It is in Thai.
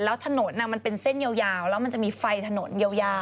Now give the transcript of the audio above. แล้วถนนมันเป็นเส้นยาวแล้วมันจะมีไฟถนนยาว